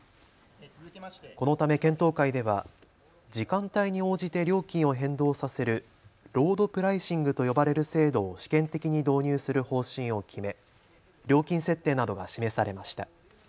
このため検討会では時間帯に応じて料金を変動させるロードプライシングと呼ばれる制度を試験的に導入する方針を決め、料金設定などが示されました。